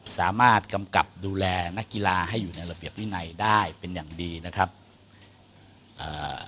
สามารถกำกับดูแลนักกีฬาให้อยู่ในระเบียบวินัยได้เป็นอย่างดีนะครับอ่า